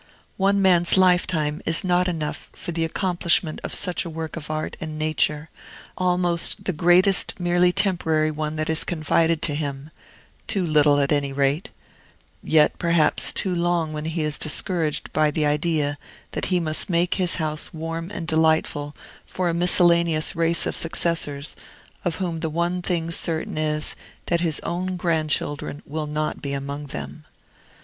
One man's lifetime is not enough for the accomplishment of such a work of art and nature, almost the greatest merely temporary one that is confided to him; too little, at any rate, yet perhaps too long when he is discouraged by the idea that he must make his house warm and delightful for a miscellaneous race of successors, of whom the one thing certain is, that his own grandchildren will not be among them.